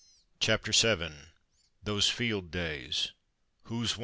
CHAPTER VII THOSE FIELD DAYS — WHO's WON?